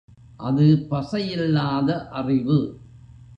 அது பசை இல்லாத அறிவு.